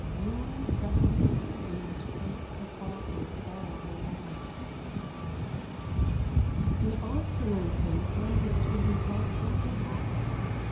Only seven days in which fate had altered all their lives. The Austrian Prince wondered to himself what had happened.